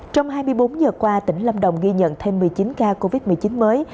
trong hai mươi bốn giờ qua tỉnh lâm đồng ghi nhận thêm một mươi chín ca covid một mươi chín mới